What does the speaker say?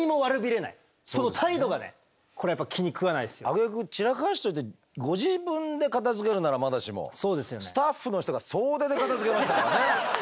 あげく散らかしといてご自分で片づけるならまだしもスタッフの人が総出で片づけましたからね。